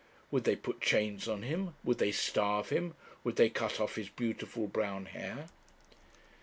Would they put chains on him? would they starve him? would they cut off his beautiful brown hair?